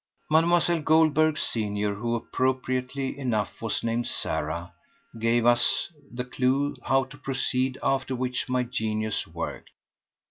... Mlle. Goldberg, senior, who appropriately enough was named Sarah, gave us the clue how to proceed, after which my genius worked alone.